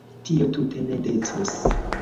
Tio tute ne decus.